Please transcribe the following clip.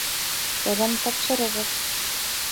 ... сәләм тапшырығыҙ!